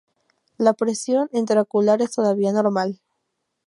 La presión intraocular es todavía normal.